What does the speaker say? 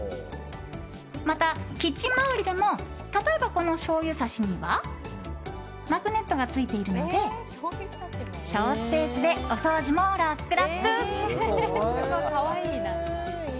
また、キッチン周りでも例えば、このしょうゆ差しにはマグネットがついているので省スペースでお掃除も楽々。